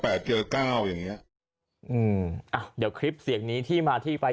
เจอเก้าอย่างเงี้ยอืมอ่ะเดี๋ยวคลิปเสียงนี้ที่มาที่ไป